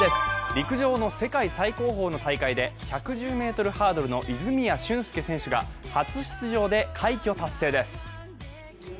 陸上の世界最高峰の大会で１１０ｍハードルの泉谷駿介選手が初出場で快挙達成です。